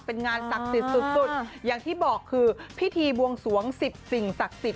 เป็นงานศักดิ์สุดอย่างที่บอกคือพิธีบวงสวง๑๐สิ่งศักดิ์